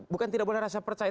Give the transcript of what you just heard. bukan tidak boleh rasa percaya